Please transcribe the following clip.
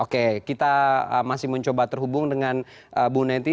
oke kita masih mencoba terhubung dengan bu neti